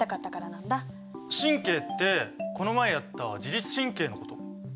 神経ってこの前やった自律神経のこと？